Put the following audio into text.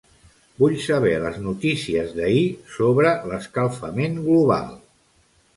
Vull saber les notícies d'ahir sobre l'escalfament global.